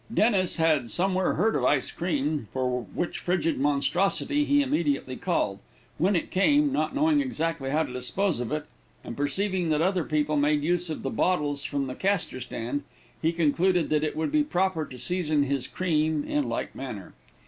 Dennis, had somewhere heard of ice cream, for which frigid monstrosity he immediately called; when it came, not knowing exactly how to dispose of it, and perceiving that other people made use of the bottles from the caster stand, he concluded that it would be proper to season his cream in like manner.